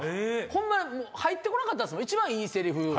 ホンマ入ってこなかったっすもん一番いいセリフ。